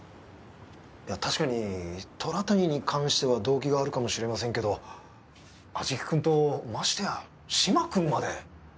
確かに虎谷に関しては動機があるかもしれませんけど安食君とましてや嶋君まで。